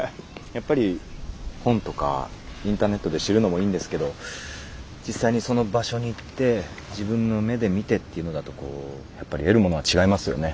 やっぱり本とかインターネットで知るのもいいんですけど実際にその場所に行って自分の目で見てっていうのだとこうやっぱり得るものは違いますよね。